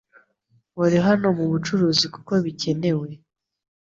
Wari hano mubucuruzi kuko bikenewe